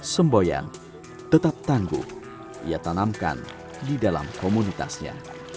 semboyan tetap tangguh ia tanamkan di dalam komunitasnya